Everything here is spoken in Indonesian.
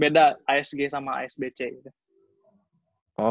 beda asg sama asbc gitu